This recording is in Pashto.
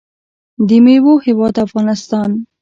د میوو هیواد افغانستان.